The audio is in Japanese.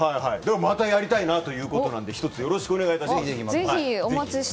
またやりたいなということで一つ、よろしくお願いします。